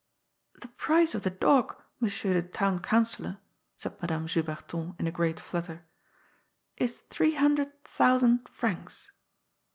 " The price of the dog, Monsieur the Town Councillor," said Madame Juberton in a great fiutter, " is three hundred thousand francs."